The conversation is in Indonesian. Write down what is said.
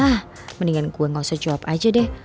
hah mendingan gue nggak usah jawab aja deh